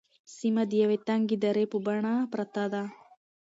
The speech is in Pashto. سیمه د یوې تنگې درې په بڼه پرته ده.